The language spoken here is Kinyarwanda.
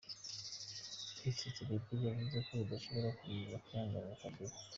Félix Tshisekedi yavuze ko badashobora gukomeza kwihanganira Kabila.